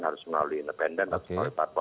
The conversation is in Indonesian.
harus melalui independen harus melalui parpol